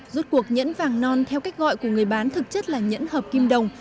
rút cuộc nhẫn vàng non theo cách gọi của người bán thực chất là nhẫn hợp kim đồng